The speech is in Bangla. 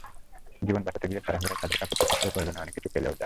জীবন বাঁচাতে গিয়ে তাড়াহুড়ায় তাদের কাপড়চোপড়সহ প্রয়োজনীয় অনেক কিছু ফেলেও যায়।